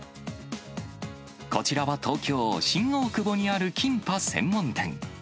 こちらは東京・新大久保にあるキンパ専門店。